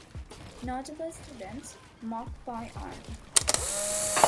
Notable students: Mok Poi-On.